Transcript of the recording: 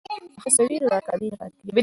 که هڅه وي نو ناکامي نه پاتیږي.